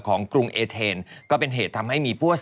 กรุงเอเทนก็เป็นเหตุทำให้มีผู้